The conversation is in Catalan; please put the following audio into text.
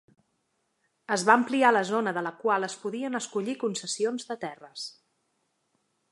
Es va ampliar la zona de la qual es podien escollir concessions de terres.